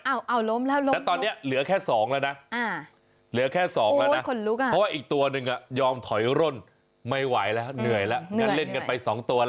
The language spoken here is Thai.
อ้าวล้มแล้ว